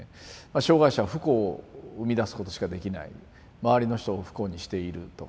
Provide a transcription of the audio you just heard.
障害者は不幸を生み出すことしかできない周りの人を不幸にしているとかですね。